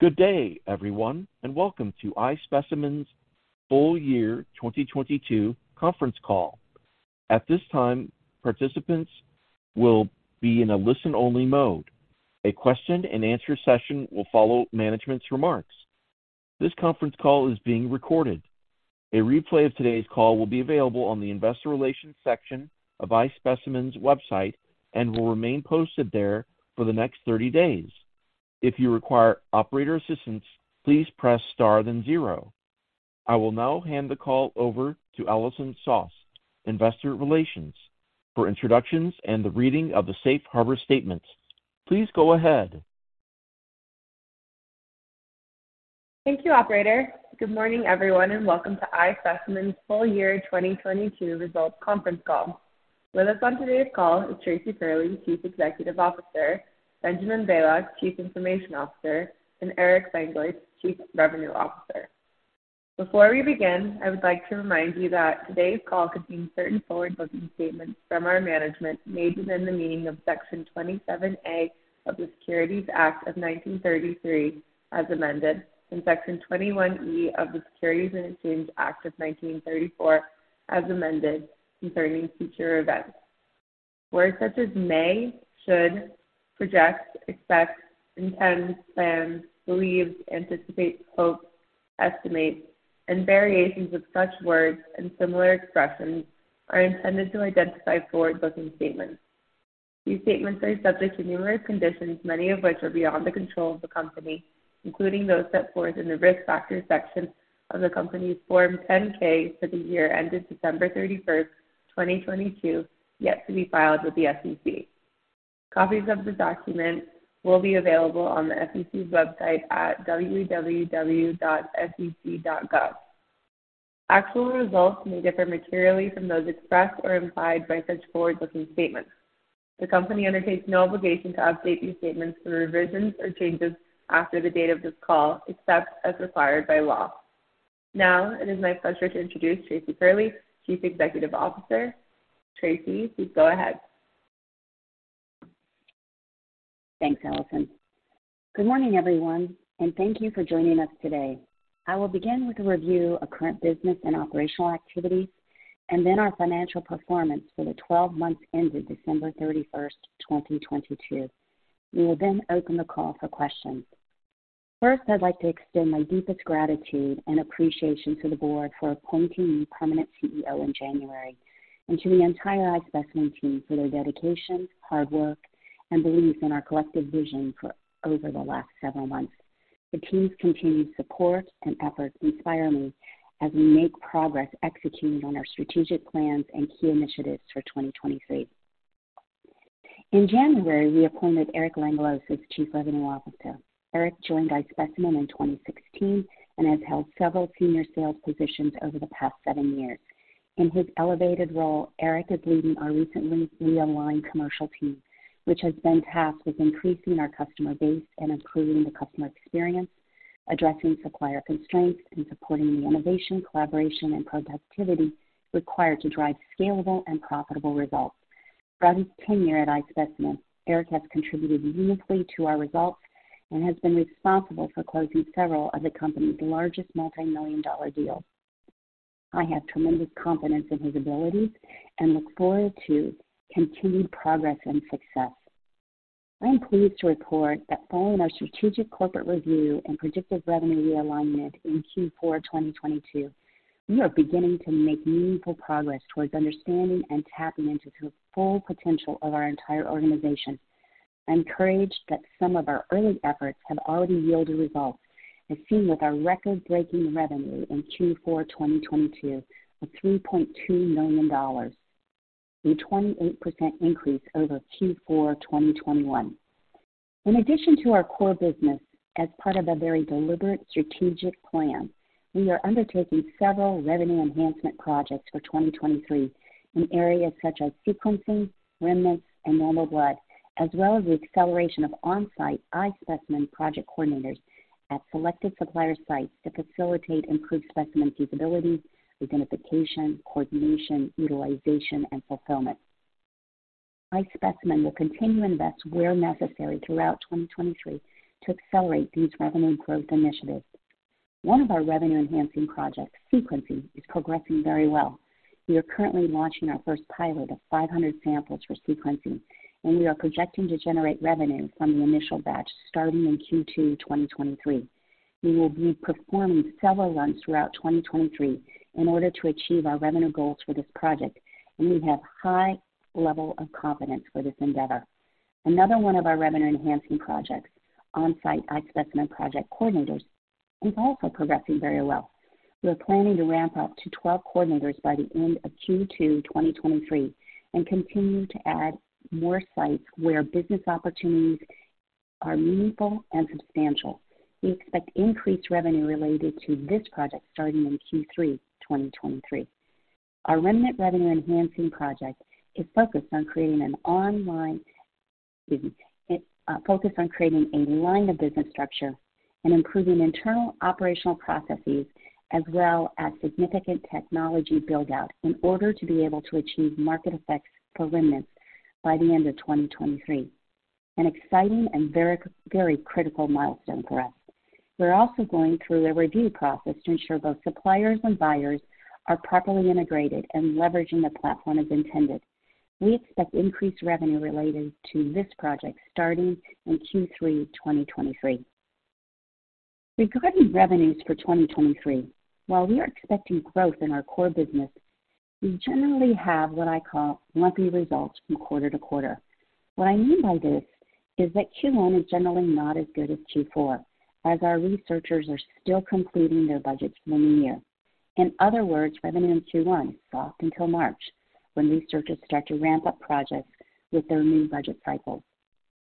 Good day, everyone, and welcome to iSpecimen's full year 2022 conference call. At this time, participants will be in a listen-only mode. A question-and-answer session will follow management's remarks. This conference call is being recorded. A replay of today's call will be available on the Investor Relations section of iSpecimen's website and will remain posted there for the next 30 days. If you require operator assistance, please press Star then zero. I will now hand the call over to Allison Soss, Investor Relations, for introductions and the reading of the safe harbor statement. Please go ahead. Thank you, operator. Good morning, everyone, and welcome to iSpecimen's full year 2022 results conference call. With us on today's call is Tracy Curley, Chief Executive Officer, Benjamin Bielak, Chief Information Officer, and Eric Langlois, Chief Revenue Officer. Before we begin, I would like to remind you that today's call contains certain forward-looking statements from our management made within the meaning of Section 27A of the Securities Act of 1933, as amended, and Section 21E of the Securities Exchange Act of 1934, as amended, concerning future events. Words such as may, should, project, expect, intend, plan, believe, anticipate, hope, estimate, and variations of such words and similar expressions are intended to identify forward-looking statements. These statements are subject to numerous conditions, many of which are beyond the control of the company, including those set forth in the Risk Factors section of the company's Form 10-K for the year ended December 31st, 2022, yet to be filed with the SEC. Copies of the document will be available on the SEC's website at www.sec.gov. Actual results may differ materially from those expressed or implied by such forward-looking statements. The company undertakes no obligation to update these statements through revisions or changes after the date of this call, except as required by law. Now, it is my pleasure to introduce Tracy Curley, Chief Executive Officer. Tracy, please go ahead. Thanks, Allison. Good morning, everyone. Thank you for joining us today. I will begin with a review of current business and operational activities, and then our financial performance for the 12 months ended December 31st, 2022. We will then open the call for questions. First, I'd like to extend my deepest gratitude and appreciation to the board for appointing me permanent CEO in January, and to the entire iSpecimen team for their dedication, hard work, and belief in our collective vision for over the last several months. The team's continued support and efforts inspire me as we make progress executing on our strategic plans and key initiatives for 2023. In January, we appointed Eric Langlois as Chief Revenue Officer. Eric joined iSpecimen in 2016 and has held several senior sales positions over the past seven years. In his elevated role, Eric is leading our recently realigned commercial team, which has been tasked with increasing our customer base and improving the customer experience, addressing supplier constraints, and supporting the innovation, collaboration, and productivity required to drive scalable and profitable results. Throughout his tenure at iSpecimen, Eric has contributed uniquely to our results and has been responsible for closing several of the company's largest multi-million-dollar deals. I have tremendous confidence in his abilities and look forward to continued progress and success. I am pleased to report that following our strategic corporate review and projected revenue realignment in Q4 2022, we are beginning to make meaningful progress towards understanding and tapping into the full potential of our entire organization. I'm encouraged that some of our early efforts have already yielded results, as seen with our record-breaking revenue in Q4, 2022, of $3.2 million, a 28% increase over Q4, 2021. In addition to our core business, as part of a very deliberate strategic plan, we are undertaking several revenue enhancement projects for 2023 in areas such as sequencing, remnants, and normal blood, as well as the acceleration of on-site iSpecimen project coordinators at selected supplier sites to facilitate improved specimen feasibility, identification, coordination, utilization, and fulfillment. iSpecimen will continue to invest where necessary throughout 2023 to accelerate these revenue growth initiatives. One of our revenue-enhancing projects, sequencing, is progressing very well. We are currently launching our first pilot of 500 samples for sequencing, we are projecting to generate revenue from the initial batch starting in Q2, 2023. We will be performing several runs throughout 2023 in order to achieve our revenue goals for this project, and we have high level of confidence for this endeavor. Another one of our revenue-enhancing projects, on-site iSpecimen project coordinators, is also progressing very well. We are planning to ramp up to 12 coordinators by the end of Q2, 2023 and continue to add more sites where business opportunities are meaningful and substantial. We expect increased revenue related to this project starting in Q3, 2023. Our remnant revenue-enhancing project is focused on creating a line of business structure and improving internal operational processes as well as significant technology build-out in order to be able to achieve market effects for remnants by the end of 2023, an exciting and very, very critical milestone for us. We're also going through a review process to ensure both suppliers and buyers are properly integrated and leveraging the platform as intended. We expect increased revenue related to this project starting in Q3 2023. Regarding revenues for 2023, while we are expecting growth in our core business, we generally have what I call lumpy results from quarter to quarter. What I mean by this is that Q1 is generally not as good as Q4, as our researchers are still completing their budgets for the new year. In other words, revenue in Q1 is soft until March, when researchers start to ramp up projects with their new budget cycles.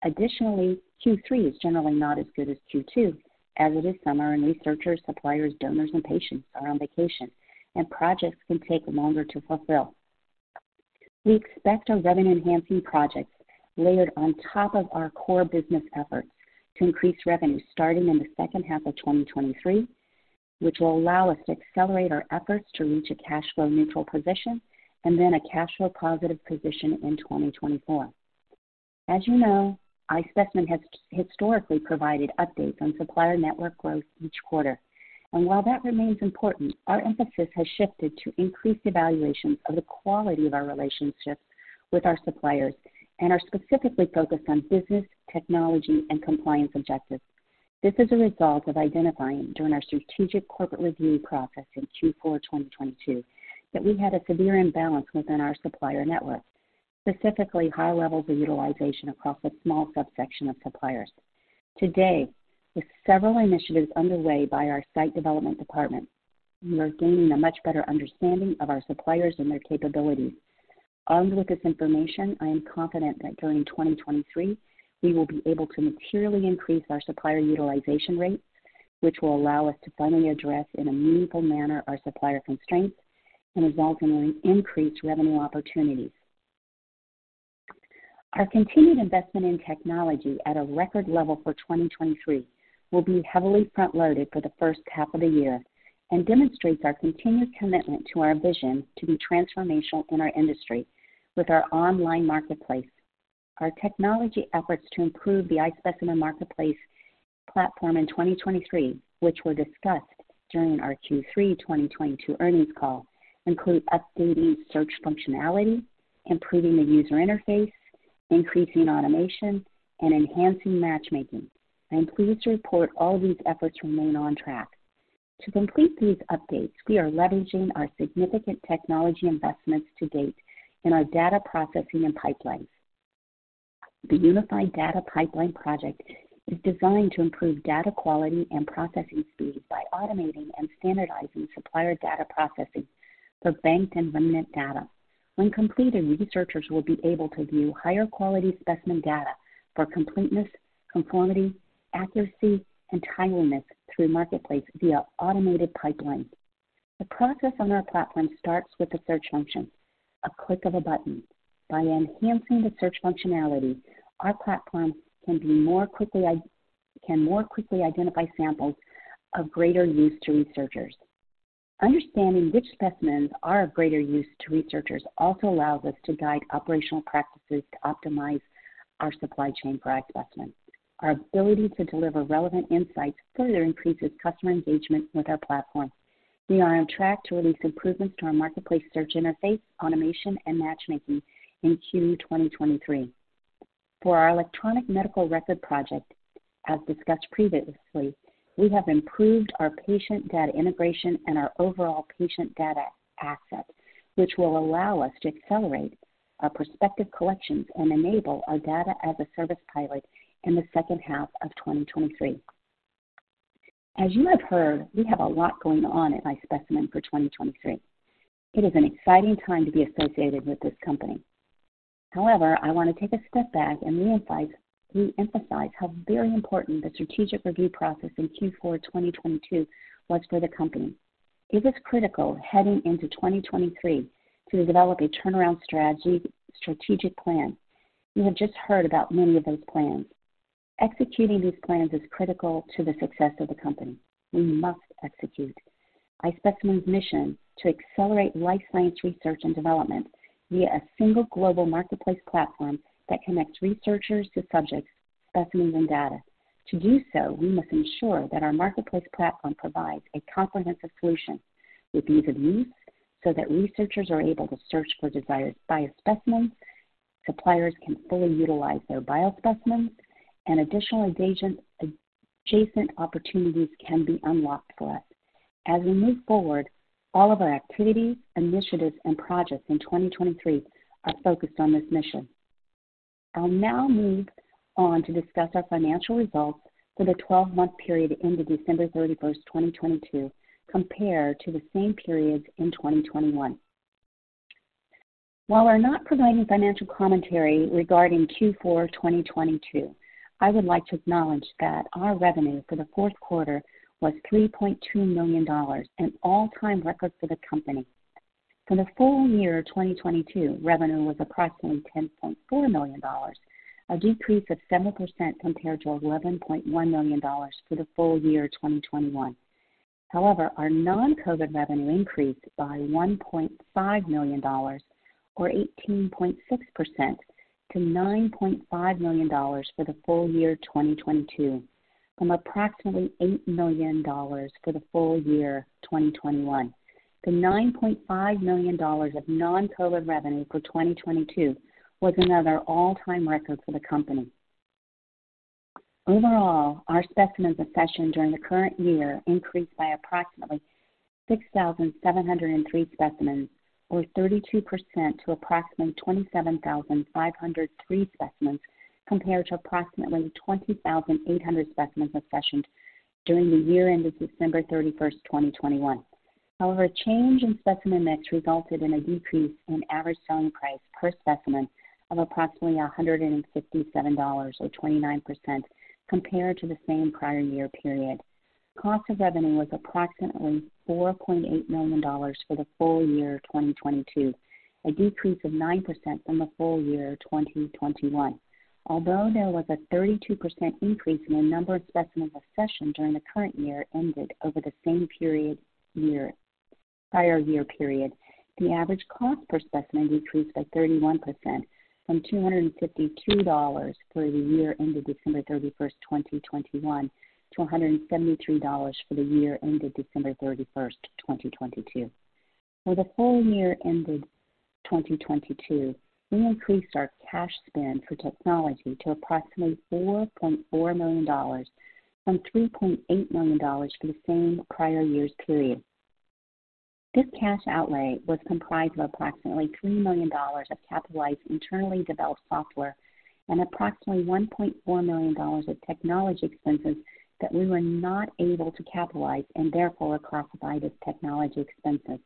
Q3 is generally not as good as Q2, as it is summer and researchers, suppliers, donors and patients are on vacation, and projects can take longer to fulfill. We expect our revenue-enhancing projects layered on top of our core business efforts to increase revenue starting in the second half of 2023, which will allow us to accelerate our efforts to reach a cash flow neutral position and then a cash flow positive position in 2024. As you know, iSpecimen has historically provided updates on supplier network growth each quarter. While that remains important, our emphasis has shifted to increased evaluations of the quality of our relationships with our suppliers and are specifically focused on business, technology, and compliance objectives. This is a result of identifying during our strategic corporate review process in Q4 2022 that we had a severe imbalance within our supplier network, specifically high levels of utilization across a small subsection of suppliers. Today, with several initiatives underway by our site development department, we are gaining a much better understanding of our suppliers and their capabilities. Armed with this information, I am confident that during 2023, we will be able to materially increase our supplier utilization rates, which will allow us to finally address in a meaningful manner our supplier constraints and result in increased revenue opportunities. Our continued investment in technology at a record level for 2023 will be heavily front-loaded for the first half of the year and demonstrates our continued commitment to our vision to be transformational in our industry with our online marketplace. Our technology efforts to improve the iSpecimen Marketplace platform in 2023, which were discussed during our Q3 2022 earnings call, include updating search functionality, improving the user interface, increasing automation, and enhancing matchmaking. I am pleased to report all these efforts remain on track. To complete these updates, we are leveraging our significant technology investments to date in our data processing and pipelines. The Unified Data Pipeline project is designed to improve data quality and processing speed by automating and standardizing supplier data processing for banked and remnant data. When completed, researchers will be able to view higher quality specimen data for completeness, conformity, accuracy, and timeliness through Marketplace via automated pipelines. The process on our platform starts with the search function, a click of a button. By enhancing the search functionality, our platform can more quickly identify samples of greater use to researchers. Understanding which specimens are of greater use to researchers also allows us to guide operational practices to optimize our supply chain for iSpecimen. Our ability to deliver relevant insights further increases customer engagement with our platform. We are on track to release improvements to our Marketplace search interface, automation, and matchmaking in Q2 2023. For our electronic medical record project, as discussed previously, we have improved our patient data integration and our overall patient data assets, which will allow us to accelerate our prospective collections and enable our Data-as-a-Service pilot in the second half of 2023. As you have heard, we have a lot going on at iSpecimen for 2023. It is an exciting time to be associated with this company. However, I want to take a step back and reemphasize how very important the strategic review process in Q4 2022 was for the company. It is critical heading into 2023 to develop a turnaround strategy, strategic plan. You have just heard about many of those plans. Executing these plans is critical to the success of the company. We must execute iSpecimen's mission to accelerate life science research and development via a single global marketplace platform that connects researchers to subjects, specimens, and data. To do so, we must ensure that our marketplace platform provides a comprehensive solution with ease of use so that researchers are able to search for desired biospecimens, suppliers can fully utilize their biospecimens, and adjacent opportunities can be unlocked for us. As we move forward, all of our activities, initiatives, and projects in 2023 are focused on this mission. I'll now move on to discuss our financial results for the 12-month period ended December 31st, 2022, compared to the same period in 2021. While we're not providing financial commentary regarding Q4 2022, I would like to acknowledge that our revenue for the fourth quarter was $3.2 million, an all-time record for the company. For the full year 2022, revenue was approximately $10.4 million, a decrease of 7% compared to $11.1 million for the full year 2021. Our non-COVID revenue increased by $1.5 million or 18.6% to $9.5 million for the full year 2022, from approximately $8 million for the full year 2021. The $9.5 million of non-COVID revenue for 2022 was another all-time record for the company. Overall, our specimens accessioned during the current year increased by approximately 6,703 specimens, or 32% to approximately 27,503 specimens, compared to approximately 20,800 specimens accessioned during the year ended December 31, 2021. A change in specimen mix resulted in a decrease in average selling price per specimen of approximately $157 or 29% compared to the same prior year period. Cost of revenue was approximately $4.8 million for the full year 2022, a decrease of 9% from the full year 2021. Although there was a 32% increase in the number of specimens accessioned during the current year ended over the same prior year period, the average cost per specimen decreased by 31% from $252 for the year ended December 31, 2021 to $173 for the year ended December 31, 2022. For the full year ended 2022, we increased our cash spend for technology to approximately $4.4 million from $3.8 million for the same prior year's period. This cash outlay was comprised of approximately $3 million of capitalized internally developed software and approximately $1.4 million of technology expenses that we were not able to capitalize and therefore are classified as technology expenses.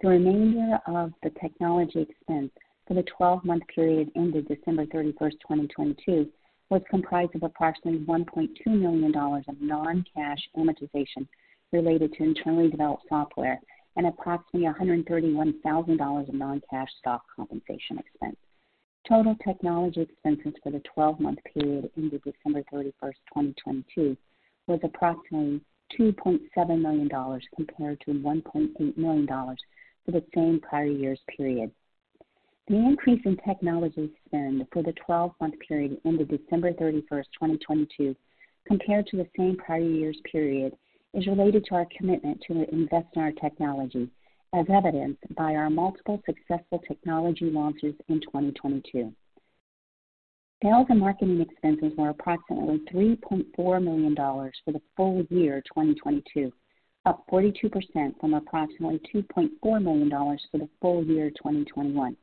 The remainder of the technology expense for the 12-month period ended December 31, 2022, was comprised of approximately $1.2 million of non-cash amortization related to internally developed software and approximately $131,000 of non-cash stock compensation expense. Total technology expenses for the 12-month period ended December 31, 2022, was approximately $2.7 million compared to $1.8 million for the same prior year's period. The increase in technology spend for the 12-month period ended December 31, 2022, compared to the same prior year's period, is related to our commitment to invest in our technology as evidenced by our multiple successful technology launches in 2022. Sales and marketing expenses were approximately $3.4 million for the full year 2022, up 42% from approximately $2.4 million for the full year 2021.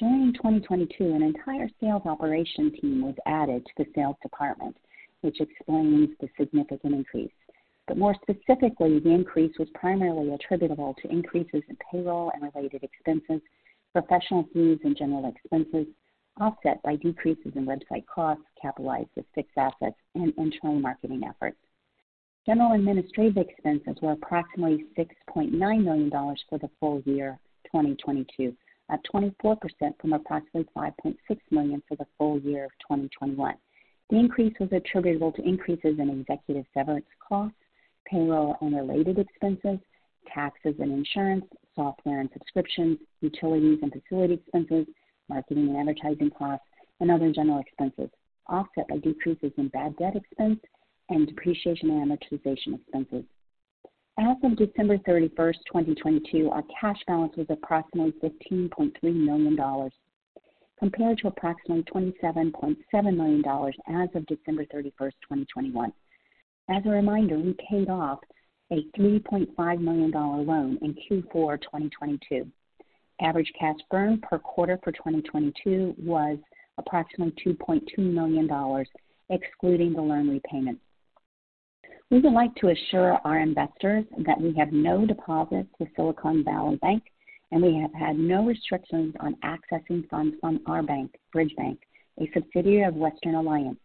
During 2022, an entire sales operation team was added to the sales department, which explains the significant increase. More specifically, the increase was primarily attributable to increases in payroll and related expenses, professional fees, and general expenses, offset by decreases in website costs, capitalized as fixed assets and internal marketing efforts. General and administrative expenses were approximately $6.9 million for the full year 2022, up 24% from approximately $5.6 million for the full year of 2021. The increase was attributable to increases in executive severance costs, payroll and related expenses, taxes and insurance, software and subscriptions, utilities and facility expenses, marketing and advertising costs, and other general expenses, offset by decreases in bad debt expense and depreciation and amortization expenses. As of December 31st, 2022, our cash balance was approximately $15.3 million, compared to approximately $27.7 million as of December 31st, 2021. As a reminder, we paid off a $3.5 million loan in Q4 2022. Average cash burn per quarter for 2022 was approximately $2.2 million, excluding the loan repayment. We would like to assure our investors that we have no deposits with Silicon Valley Bank, and we have had no restrictions on accessing funds from our bank, Bridge Bank, a subsidiary of Western Alliance.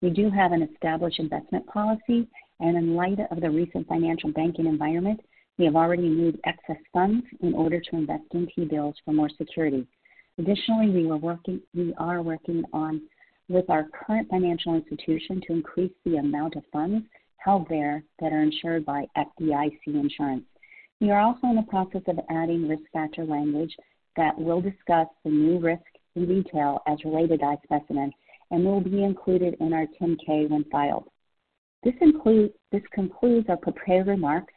We do have an established investment policy. In light of the recent financial banking environment, we have already moved excess funds in order to invest in T-bills for more security. Additionally, we are working on with our current financial institution to increase the amount of funds held there that are insured by FDIC insurance. We are also in the process of adding risk factor language that will discuss the new risk in detail as related to iSpecimen and will be included in our 10-K when filed. This concludes our prepared remarks.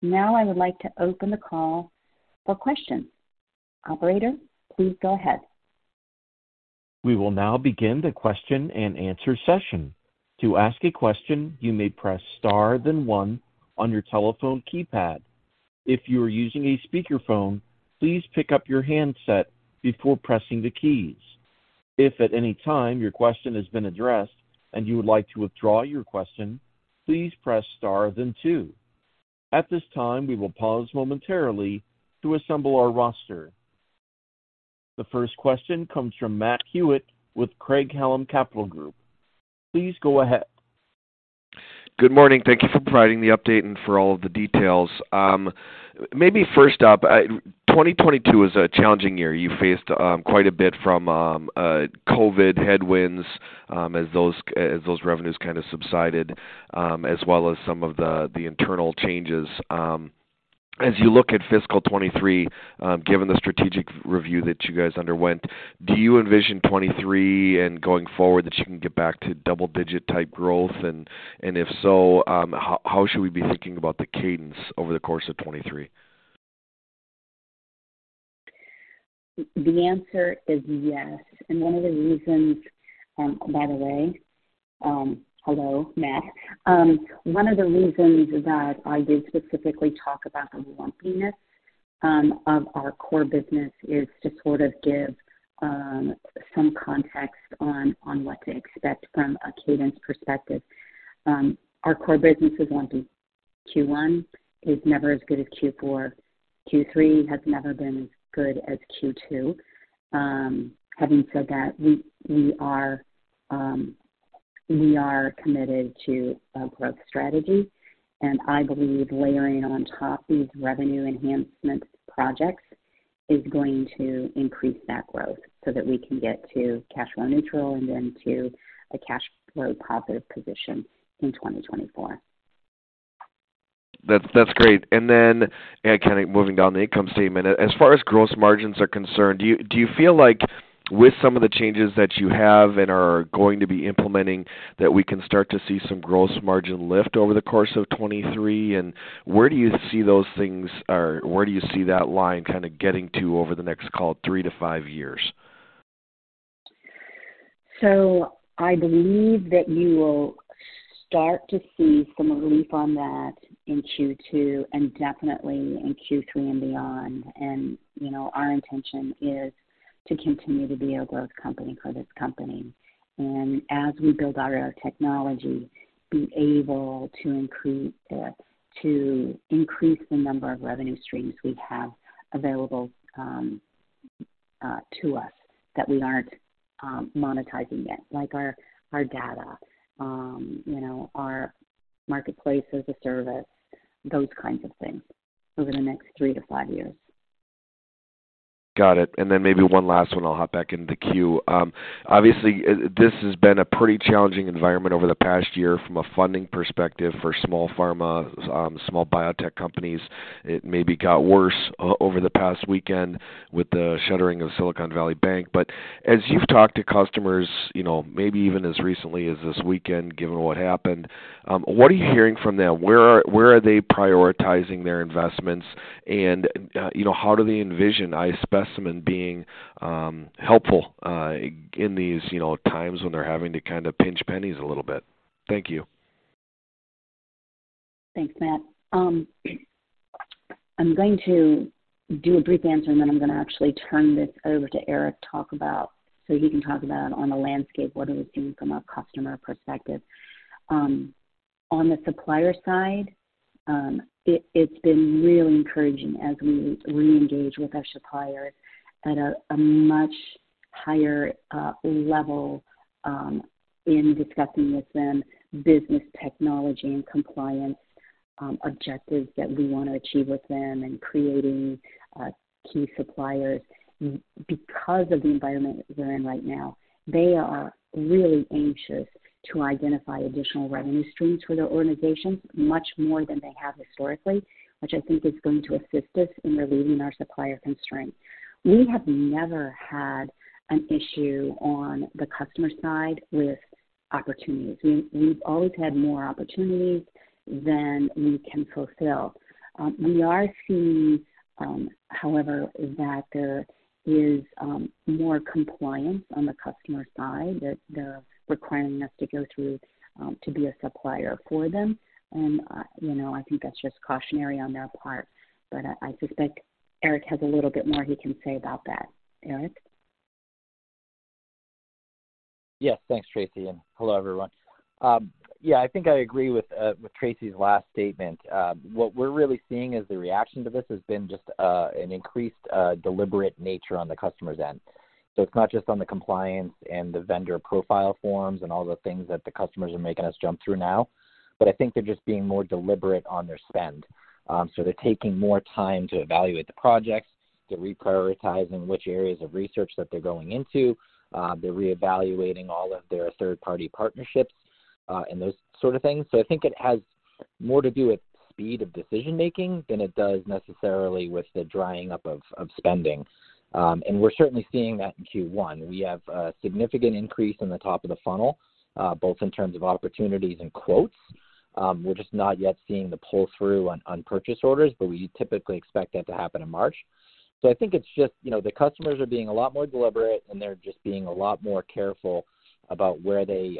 Now I would like to open the call for questions. Operator, please go ahead. We will now begin the question-and-answer session. To ask a question, you may press star then one on your telephone keypad. If you are using a speakerphone, please pick up your handset before pressing the keys. If at any time your question has been addressed and you would like to withdraw your question, please press star then two. At this time, we will pause momentarily to assemble our roster. The first question comes from Matt Hewitt with Craig-Hallum Capital Group. Please go ahead. Good morning. Thank you for providing the update and for all of the details. maybe first up, 2022 was a challenging year. You faced quite a bit from COVID headwinds, as those revenues kind of subsided, as well as some of the internal changes. As you look at fiscal 2023, given the strategic review that you guys underwent, do you envision 23 and going forward that you can get back to double-digit type growth? If so, how should we be thinking about the cadence over the course of 2023? The answer is yes. One of the reasons, by the way, hello, Matt. One of the reasons that I did specifically talk about the lumpiness of our core business is to sort of give some context on what to expect from a cadence perspective. Our core business is lumpy. Q1 is never as good as Q4. Q3 has never been as good as Q2. Having said that, we are committed to a growth strategy, and I believe layering on top these revenue enhancement projects is going to increase that growth so that we can get to cash flow neutral and then to a cash flow positive position in 2024. That's great. Kind of moving down the income statement, as far as gross margins are concerned, do you feel like with some of the changes that you have and are going to be implementing, that we can start to see some gross margin lift over the course of 2023? Where do you see those things or where do you see that line kind of getting to over the next, call it, three to five years? I believe that you will start to see some relief on that in Q2 and definitely in Q3 and beyond. You know, our intention is to continue to be a growth company for this company and as we build out our technology, be able to increase the number of revenue streams we have available to us that we aren't monetizing yet, like our data, you know, our Marketplace as a Service, those kinds of things over the next three to five years. Got it. Maybe one last one, I'll hop back into queue. Obviously, this has been a pretty challenging environment over the past year from a funding perspective for small pharma, small biotech companies. It maybe got worse over the past weekend with the shuttering of Silicon Valley Bank. As you've talked to customers, you know, maybe even as recently as this weekend, given what happened, what are you hearing from them? Where are they prioritizing their investments? You know, how do they envision iSpecimen being helpful in these, you know, times when they're having to kind of pinch pennies a little bit? Thank you. Thanks, Matt. I'm going to do a brief answer, and then I'm going to actually turn this over to Eric to talk about so he can talk about on the landscape, what are we seeing from a customer perspective. On the supplier side, it's been really encouraging as we reengage with our suppliers at a much higher level, in discussing with them business technology and compliance, objectives that we want to achieve with them and creating key suppliers. Because of the environment that we're in right now, they are really anxious to identify additional revenue streams for their organizations, much more than they have historically, which I think is going to assist us in relieving our supplier constraints. We have never had an issue on the customer side with opportunities. We've always had more opportunities than we can fulfill. We are seeing, however, that there is more compliance on the customer side that they're requiring us to go through to be a supplier for them. You know, I think that's just cautionary on their part. I suspect Eric has a little bit more he can say about that. Eric? Yes. Thanks, Tracy, and hello, everyone. Yeah, I think I agree with Tracy's last statement. What we're really seeing is the reaction to this has been just an increased deliberate nature on the customer's end. It's not just on the compliance and the vendor profile forms and all the things that the customers are making us jump through now, but I think they're just being more deliberate on their spend. They're taking more time to evaluate the projects. They're reprioritizing which areas of research that they're going into. They're reevaluating all of their third-party partnerships, and those sort of things. I think it has more to do with speed of decision-making than it does necessarily with the drying up of spending. We're certainly seeing that in Q1. We have a significant increase in the top of the funnel, both in terms of opportunities and quotes. We're just not yet seeing the pull-through on purchase orders, but we typically expect that to happen in March. I think it's just, you know, the customers are being a lot more deliberate, and they're just being a lot more careful about where they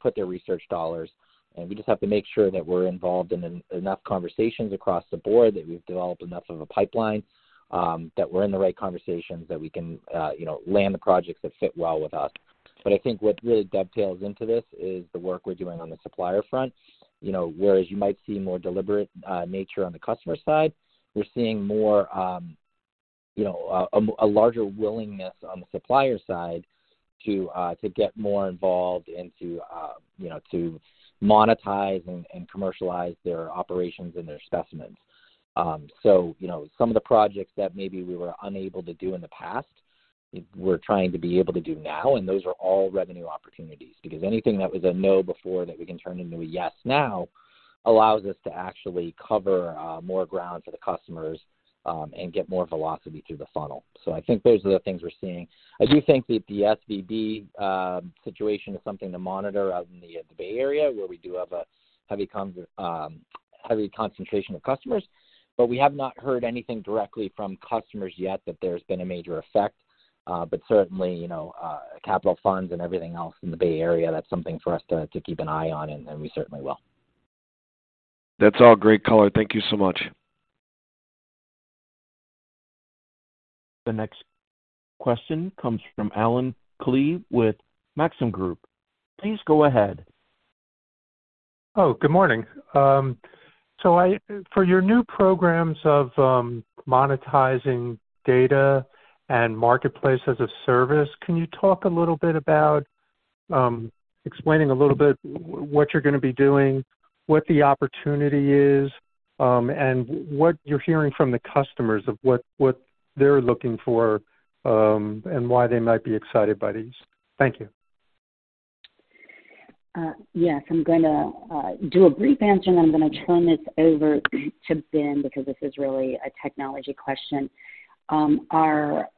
put their research dollars. We just have to make sure that we're involved in enough conversations across the board, that we've developed enough of a pipeline, that we're in the right conversations, that we can, you know, land the projects that fit well with us. I think what really dovetails into this is the work we're doing on the supplier front. You know, whereas you might see more deliberate nature on the customer side, we're seeing more, you know, a larger willingness on the supplier side to get more involved and to, you know, to monetize and commercialize their operations and their specimens. You know, some of the projects that maybe we were unable to do in the past. We're trying to be able to do now, and those are all revenue opportunities. Anything that was a no before that we can turn into a yes now allows us to actually cover more ground for the customers, and get more velocity through the funnel. I think those are the things we're seeing. I do think that the SVB situation is something to monitor out in the Bay Area, where we do have a heavy concentration of customers. We have not heard anything directly from customers yet that there's been a major effect. Certainly, you know, capital funds and everything else in the Bay Area, that's something for us to keep an eye on, and we certainly will. That's all great color. Thank you so much. The next question comes from Allen Klee with Maxim Group. Please go ahead. Good morning. For your new programs of monetizing data and Marketplace as a Service, can you talk a little bit about explaining a little bit what you're gonna be doing, what the opportunity is, and what you're hearing from the customers of what they're looking for, and why they might be excited by these? Thank you. Yes. I'm gonna do a brief answer, and I'm gonna turn this over to Ben because this is really a technology question. Our,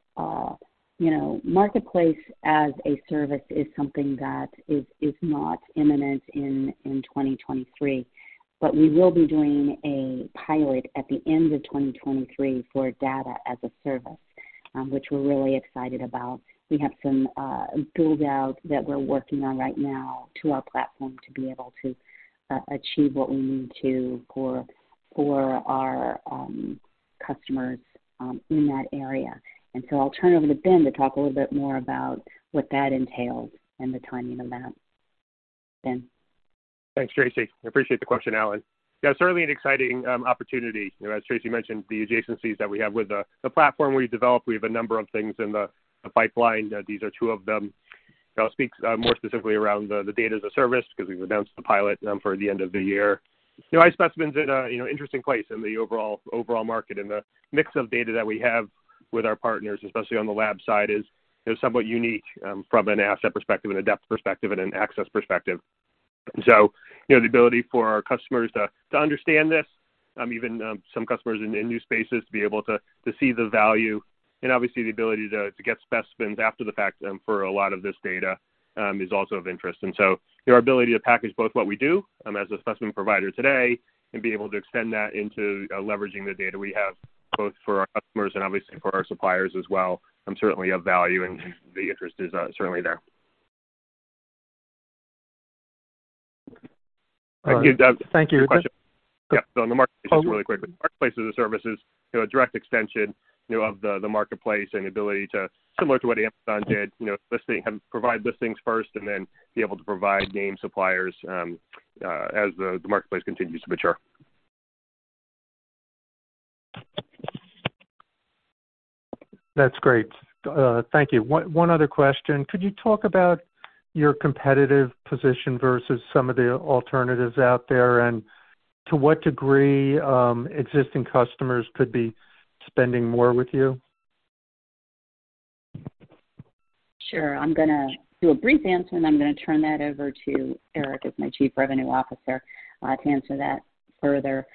you know, Marketplace as a Service is something that is not imminent in 2023. But we will be doing a pilot at the end of 2023 for Data-as-a-Service, which we're really excited about. We have some build-out that we're working on right now to our platform to be able to achieve what we need to for our customers, in that area. So I'll turn it over to Ben to talk a little bit more about what that entails and the timing of that. Ben. Thanks, Tracy. I appreciate the question, Allen. Yeah, certainly an exciting opportunity. You know, as Tracy mentioned, the adjacencies that we have with the platform we developed, we have a number of things in the pipeline. These are two of them. I'll speak more specifically around the Data-as-a-Service because we've announced the pilot for the end of the year. You know, iSpecimen's in a, you know, interesting place in the overall market. The mix of data that we have with our partners, especially on the lab side, is somewhat unique from an asset perspective and a depth perspective and an access perspective. You know, the ability for our customers to understand this, even some customers in new spaces to be able to see the value and obviously the ability to get specimens after the fact, for a lot of this data, is also of interest. Your ability to package both what we do as a specimen provider today and be able to extend that into leveraging the data we have both for our customers and obviously for our suppliers as well, certainly of value and the interest is certainly there. All right. Thank you. Yeah. On the Marketplace really quick. Marketplace as a Service is, you know, a direct extension, you know, of the Marketplace and the ability to similar to what Amazon did, you know, provide listings first and then be able to provide name suppliers, as the Marketplace continues to mature. That's great. Thank you. One other question. Could you talk about your competitive position versus some of the alternatives out there, and to what degree existing customers could be spending more with you? Sure. I'm gonna do a brief answer, and then I'm gonna turn that over to Eric, who's my Chief Revenue Officer, to answer that further.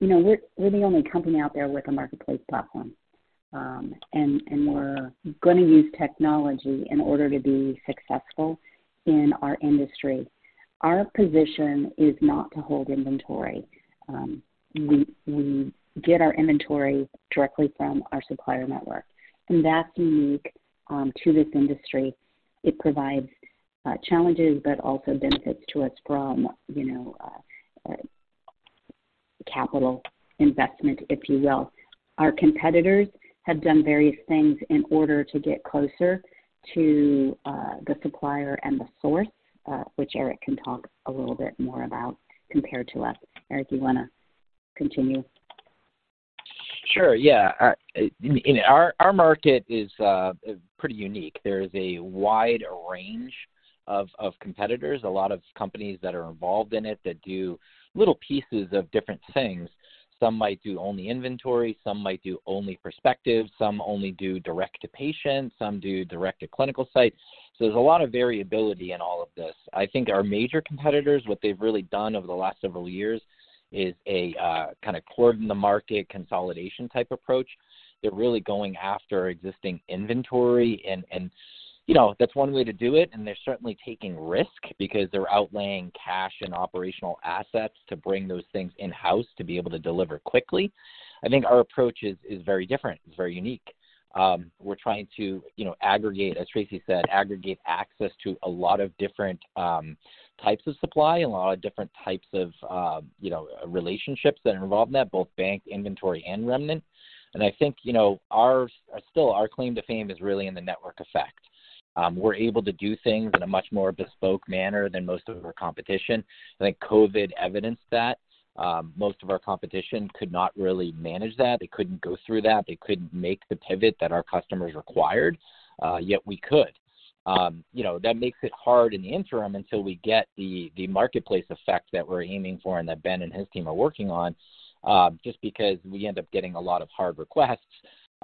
You know, we're the only company out there with a marketplace platform, and we're gonna use technology in order to be successful in our industry. Our position is not to hold inventory. We, we get our inventory directly from our supplier network, and that's unique, to this industry. It provides, challenges but also benefits to us from, you know, capital investment, if you will. Our competitors have done various things in order to get closer to, the supplier and the source, which Eric can talk a little bit more about, compared to us. Eric, you wanna continue? Sure, yeah. You know, our market is pretty unique. There is a wide range of competitors, a lot of companies that are involved in it that do little pieces of different things. Some might do only inventory, some might do only prospective, some only do direct to patient, some do direct to clinical sites. There's a lot of variability in all of this. I think our major competitors, what they've really done over the last several years is a kind of cord in the market consolidation type approach. They're really going after existing inventory and, you know, that's one way to do it, and they're certainly taking risk because they're outlaying cash and operational assets to bring those things in-house to be able to deliver quickly. I think our approach is very different. It's very unique. We're trying to, you know, aggregate, as Tracy said, aggregate access to a lot of different types of supply and a lot of different types of, you know, relationships that are involved in that, both bank inventory and remnant. I think, you know, still our claim to fame is really in the network effect. We're able to do things in a much more bespoke manner than most of our competition. I think COVID evidenced that. Most of our competition could not really manage that. They couldn't go through that. They couldn't make the pivot that our customers required, yet we could. You know, that makes it hard in the interim until we get the Marketplace effect that we're aiming for and that Ben and his team are working on, just because we end up getting a lot of hard requests.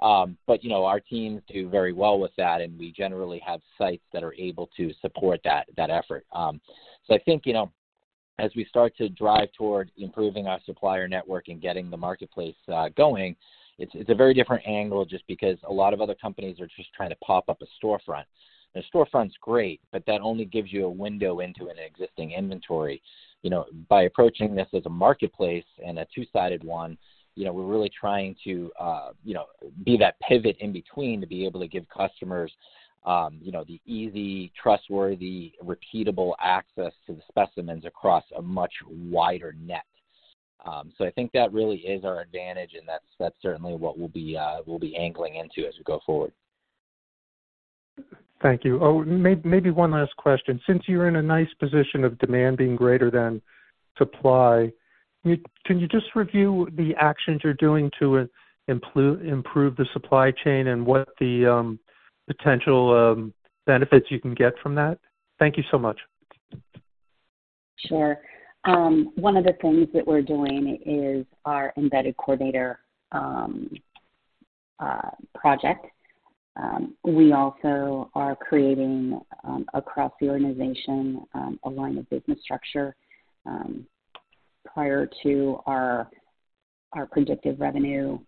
You know, our teams do very well with that, and we generally have sites that are able to support that effort. I think, you know, as we start to drive towards improving our supplier network and getting the Marketplace going, it's a very different angle just because a lot of other companies are just trying to pop up a storefront. The storefront's great, but that only gives you a window into an existing inventory. You know, by approaching this as a marketplace and a two-sided one, you know, we're really trying to, you know, be that pivot in between to be able to give customers, you know, the easy, trustworthy, repeatable access to the specimens across a much wider net. I think that really is our advantage, and that's certainly what we'll be, we'll be angling into as we go forward. Thank you. Maybe one last question. Since you're in a nice position of demand being greater than supply, can you just review the actions you're doing to improve the supply chain and what the potential benefits you can get from that? Thank you so much. Sure. One of the things that we're doing is our embedded coordinator project. We also are creating across the organization a line of business structure. Prior to our predictive revenue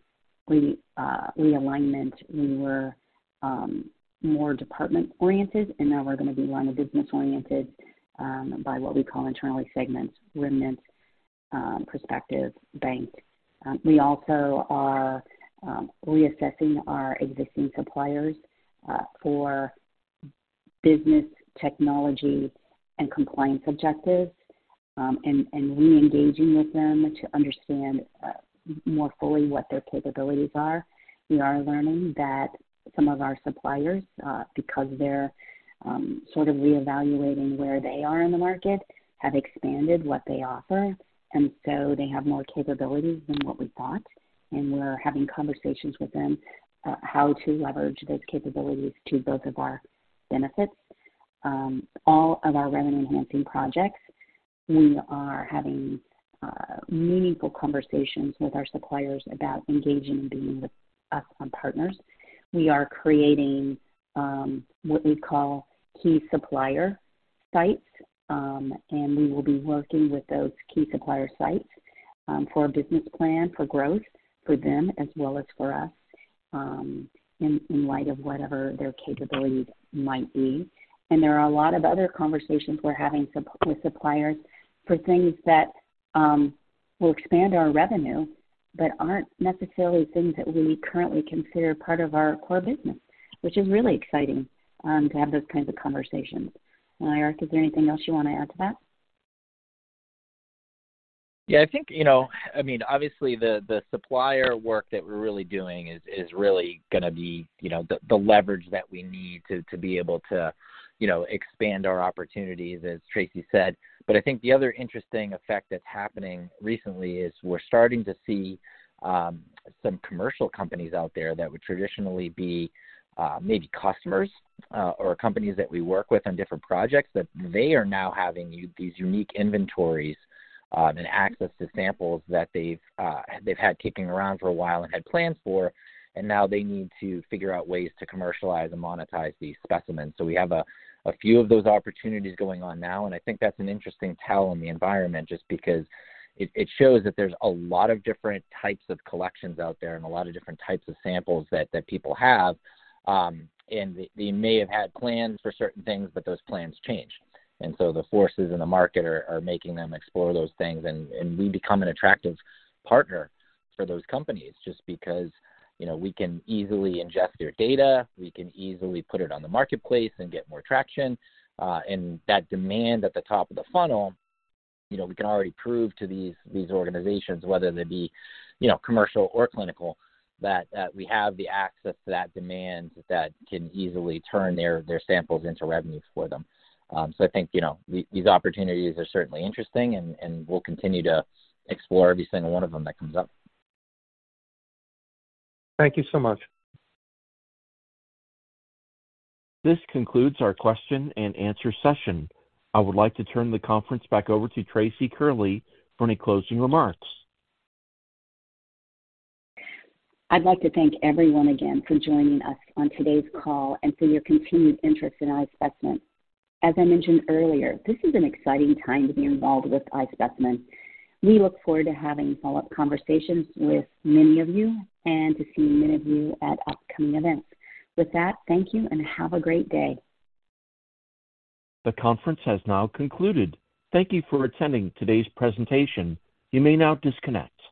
realignment, we were more department-oriented, and now we're gonna be line of business-oriented by what we call internally segments, remnants, prospective bank. We also are reassessing our existing suppliers for business, technology and compliance objectives, and reengaging with them to understand more fully what their capabilities are. We are learning that some of our suppliers, because they're sort of reevaluating where they are in the market, have expanded what they offer. They have more capabilities than what we thought, and we're having conversations with them how to leverage those capabilities to both of our benefits. All of our revenue-enhancing projects, we are having meaningful conversations with our suppliers about engaging being with us on partners. We are creating what we call key supplier sites, and we will be working with those key supplier sites for a business plan for growth for them as well as for us in light of whatever their capabilities might be. There are a lot of other conversations we're having with suppliers for things that will expand our revenue but aren't necessarily things that we currently consider part of our core business, which is really exciting to have those kinds of conversations. Eric, is there anything else you wanna add to that? Yeah. I think, you know, I mean, obviously, the supplier work that we're really doing is really gonna be, you know, the leverage that we need to be able to, you know, expand our opportunities, as Tracy said. I think the other interesting effect that's happening recently is we're starting to see some commercial companies out there that would traditionally be, maybe customers, or companies that we work with on different projects, that they are now having these unique inventories, and access to samples that they've had kicking around for a while and had plans for, and now they need to figure out ways to commercialize and monetize these specimens. We have a few of those opportunities going on now, and I think that's an interesting tell in the environment just because it shows that there's a lot of different types of collections out there and a lot of different types of samples that people have. They may have had plans for certain things, but those plans change. The forces in the market are making them explore those things, and we become an attractive partner for those companies just because, you know, we can easily ingest their data. We can easily put it on the marketplace and get more traction. That demand at the top of the funnel, you know, we can already prove to these organizations, whether they be, you know, commercial or clinical, that we have the access to that demand that can easily turn their samples into revenues for them. I think, you know, these opportunities are certainly interesting, and we'll continue to explore every single one of them that comes up. Thank you so much. This concludes our question-and-answer session. I would like to turn the conference back over to Tracy Curley for any closing remarks. I'd like to thank everyone again for joining us on today's call and for your continued interest in iSpecimen. As I mentioned earlier, this is an exciting time to be involved with iSpecimen. We look forward to having follow-up conversations with many of you and to seeing many of you at upcoming events. With that, thank you and have a great day. The conference has now concluded. Thank you for attending today's presentation. You may now disconnect.